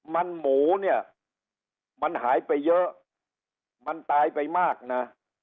มันหมูเนี่ยมันหายไปเยอะมันตายไปมากนะ